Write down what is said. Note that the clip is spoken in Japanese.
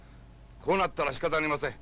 こうなったらしかたありません。